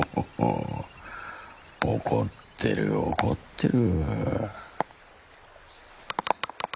怒ってる怒ってる。